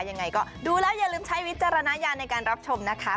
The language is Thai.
ยังไงก็ดูแล้วอย่าลืมใช้วิจารณญาณในการรับชมนะคะ